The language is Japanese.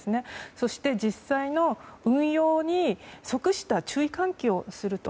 そして、実際の運用に即した注意喚起をすると。